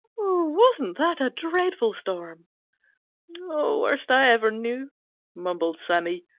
"Wasn't that a dreadful storm?" "Worst I ever knew," mumbled Sammy.